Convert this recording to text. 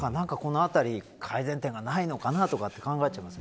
このあたり、改善できないのかと考えちゃいます。